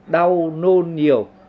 đau nôn nhiều